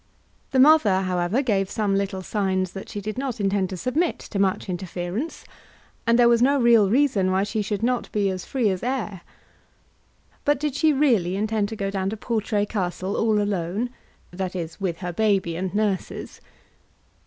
The mother, however, gave some little signs that she did not intend to submit to much interference, and there was no real reason why she should not be as free as air. But did she really intend to go down to Portray Castle all alone; that is, with her baby and nurses?